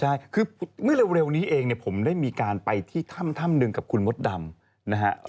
ใช่เวลานี้เองเนี่ยผมได้มีการไปที่ถ้ำหนึ่งกับคุณมรดัมนะฮะ